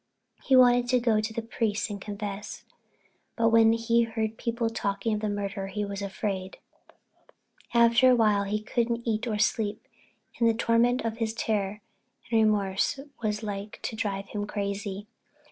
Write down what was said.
He wanted to go to the priest and confess, but when he heard people talking of the murder he was afraid. After a while he couldn't eat or sleep and the torment of his terror and remorse was like to drive him crazy.